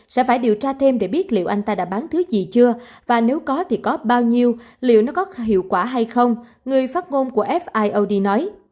sẽ phải điều tra thêm để biết liệu anh ta đã bán thứ gì chưa và nếu có thì có bao nhiêu liệu nó có hiệu quả hay không người phát ngôn của fiod nói